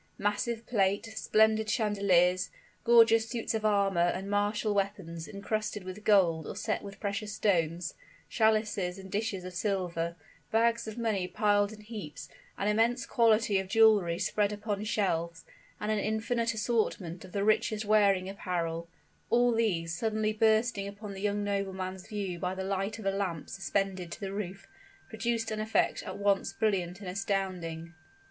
Massive plate, splendid chandeliers, gorgeous suits of armor and martial weapons incrusted with gold or set with precious stones, chalices and dishes of silver, bags of money piled in heaps, an immense quantity of jewelry spread upon shelves, and an infinite assortment of the richest wearing apparel all these, suddenly bursting upon the young nobleman's view by the light of a lamp suspended to the roof, produced an effect at once brilliant and astounding.